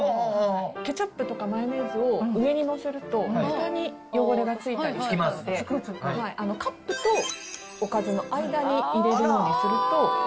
ケチャップとかマヨネーズを上に載せると、ふたに汚れがついたりしますので、カップとおかずの間に入れるようにすると。